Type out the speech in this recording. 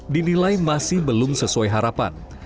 dinilai masih belum sesuai harapan